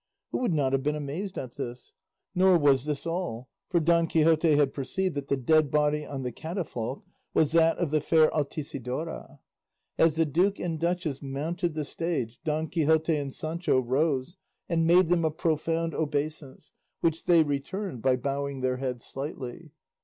Who would not have been amazed at this? Nor was this all, for Don Quixote had perceived that the dead body on the catafalque was that of the fair Altisidora. As the duke and duchess mounted the stage Don Quixote and Sancho rose and made them a profound obeisance, which they returned by bowing their heads slightly.